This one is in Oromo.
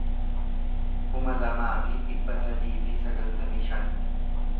kuma lamaa fi dhibba sadii fi sagaltamii shan